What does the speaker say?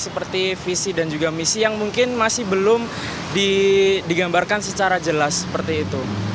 seperti visi dan juga misi yang mungkin masih belum digambarkan secara jelas seperti itu